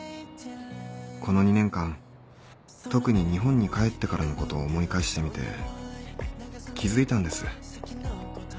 この２年間特に日本に帰ってからのことを思い返してみて気付いたんです。